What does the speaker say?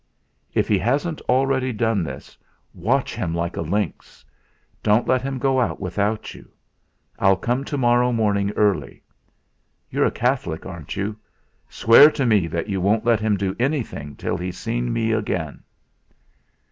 "If he hasn't already done this, watch him like a lynx! Don't let him go out without you. I'll come to morrow morning early. You're a Catholic, aren't you? Swear to me that you won't let him do anything till he's seen me again."